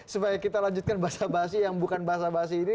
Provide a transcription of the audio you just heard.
supaya kita lanjutkan bahasa bahasa yang bukan bahasa bahasa ini